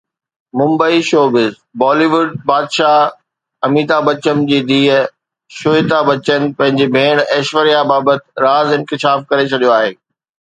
Mumbai (showbiz news) Bollywood بادشاهه اميتاڀ بچن جي ڌيءَ شويتا بچن پنهنجي ڀيڻ ايشوريا بابت راز انڪشاف ڪري ڇڏيو آهي.